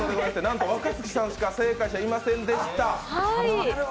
若槻さんしか正解者、いませんでした。